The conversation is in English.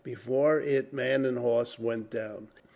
Before it man and horse went down.